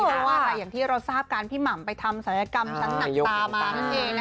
เพราะว่าอะไรอย่างที่เราทราบกันพี่หม่ำไปทำศัลยกรรมชั้นหนักตามานั่นเอง